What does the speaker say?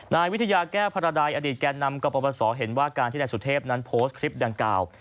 นายวิทยาแก้วพระใดอดีตแก่นำกรปศเห็นว่าการที่นายสุเทพนั้นโพสต์คลิปดังกล่าว